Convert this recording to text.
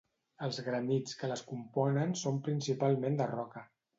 Els granits que les componen són principalment de roca.